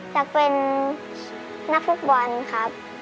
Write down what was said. อยากเป็นนักฟุตบอลครับ